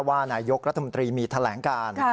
ว่านายกรัฐมนตรีมีแถลงการ